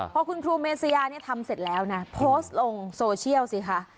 พอคุณครูเมษยาเนี่ยทำเสร็จแล้วนะโพสต์ลงโซเชียลสิคะ